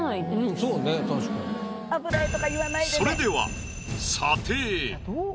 それでは。